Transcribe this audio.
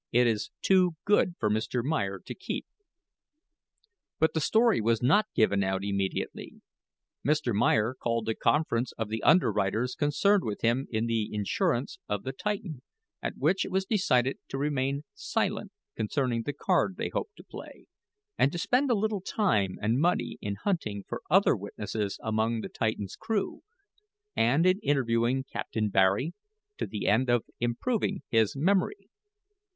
It is too good for Mr. Meyer to keep." But the story was not given out immediately. Mr. Meyer called a conference of the underwriters concerned with him in the insurance of the Titan at which it was decided to remain silent concerning the card they hoped to play, and to spend a little time and money in hunting for other witnesses among the Titan's crew, and in interviewing Captain Barry, to the end of improving his memory.